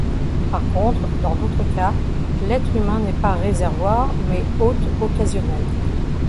Par contre, dans d'autres cas, l'être humain n'est pas réservoir, mais hôte occasionnel.